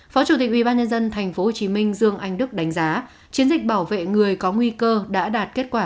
phó chủ tịch ubnd tp hcm dương anh đức đánh giá chiến dịch bảo vệ người có nguy cơ đã đạt kết quả